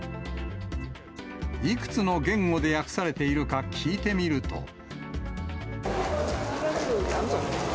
いくつの言語で訳されているか聞いてみると。